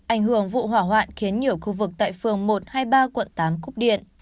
ảnh hưởng vụ hỏa hoạn khiến nhiều khu vực tại phường một hai mươi ba quận tám cúp điện